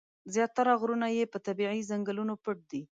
زیاتره غرونه یې په طبیعي ځنګلونو پټ دي.